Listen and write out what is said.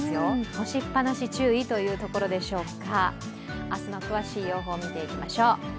干しっぱなし注意というところでしょうか。